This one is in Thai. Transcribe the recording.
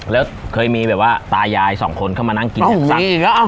แล้วเคยมีแบบว่าตายายสองคนเข้ามานั่งกินอ้าวมีอีกแล้วอ้าว